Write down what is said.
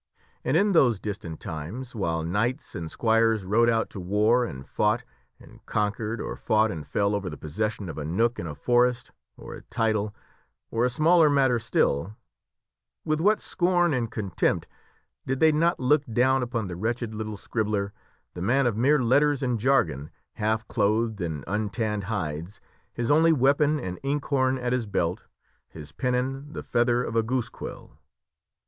"And in those distant times, while knights and squires rode out to war, and fought and conquered or fought and fell over the possession of a nook in a forest, or a title, or a smaller matter still, with what scorn and contempt did they not look down upon the wretched little scribbler, the man of mere letters and jargon, half clothed in untanned hides, his only weapon an inkhorn at his belt, his pennon the feather of a goosequill!